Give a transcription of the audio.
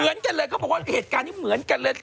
เหมือนกันเลยเขาบอกว่าเหตุการณ์นี้เหมือนกันเลย